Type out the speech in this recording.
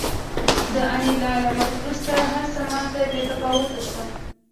د انیلا له مرګ وروسته هرڅه ماته بې تفاوته شول